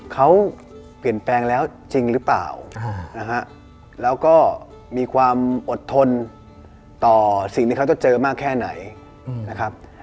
เขาเปลี่ยนแปลงแล้วจริงหรือเปล่า